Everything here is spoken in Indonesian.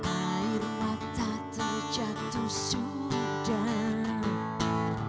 air mata terjatuh sudah